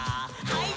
はい。